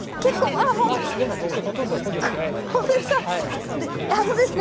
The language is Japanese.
僕、ほとんど補助していないですよ。